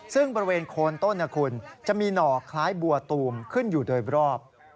ซึ่งบริเวณโคนต้นนะคุณจะมีหน่อคล้ายบัวตูมขึ้นอยู่โดยรอบ